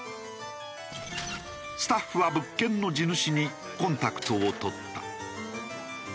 スタッフは物件の地主にコンタクトを取った。